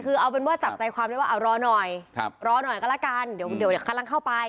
คือเอาเป็นว่าจับใจความเรียกว่าอ่ารอหน่อยครับรอหน่อยก็ละกันเดี๋ยวเดี๋ยวเดี๋ยวขั้นล่างเข้าไป